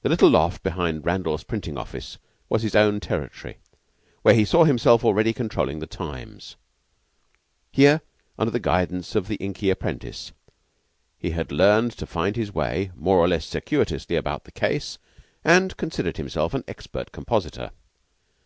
The little loft behind Randall's printing office was his own territory, where he saw himself already controlling the "Times." Here, under the guidance of the inky apprentice, he had learned to find his way more or less circuitously about the case, and considered himself an expert compositor.